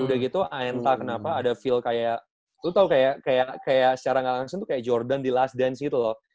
udah gitu anth kenapa ada feel kayak lo tau kayak secara gak langsung tuh kayak jordan di lasdance gitu loh